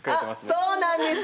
あっそうなんです